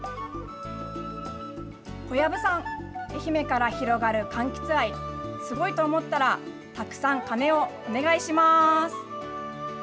小籔さん、愛媛から広がるかんきつ愛、すごいと思ったらたくさん鐘をお願いします。